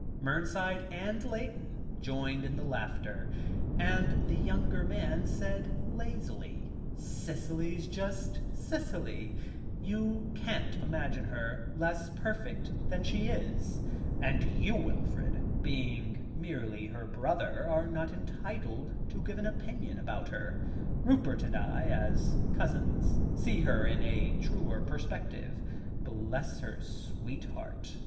Mernside and Layton joined in the laughter, and the younger man said lazily: "Cicely's just Cicely; you can't imagine her less perfect than she is, and you, Wilfrid, being merely her brother, are not entitled to give an opinion about her. Rupert and I, as cousins, see her in a truer perspective. Bless her sweet heart!